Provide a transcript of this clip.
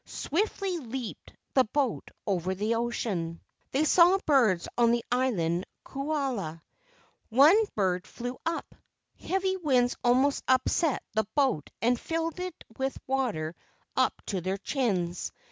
Swiftly leaped the boat over the ocean. They saw birds on the island Kaula. One bird flew up. Heavy winds almost upset the boat and filled it with water up to their chins.